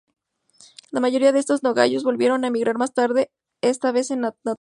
La mayoría de estos nogayos volverían a emigrar más tarde, esta vez a Anatolia.